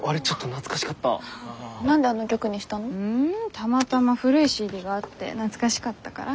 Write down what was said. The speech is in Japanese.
たまたま古いＣＤがあって懐かしかったから。